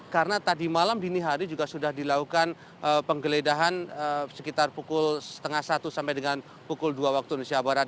karena tadi malam dini hari juga sudah dilakukan penggeledahan sekitar pukul satu tiga puluh sampai dengan pukul dua waktu indonesia barat